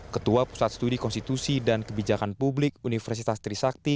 ketua pusat studi konstitusi dan kebijakan publik universitas trisakti